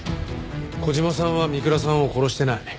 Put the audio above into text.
小島さんは三倉さんを殺してない。